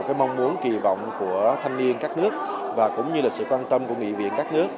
cái mong muốn kỳ vọng của thanh niên các nước và cũng như là sự quan tâm của nghị viện các nước